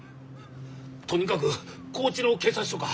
とにかく高知の警察署か！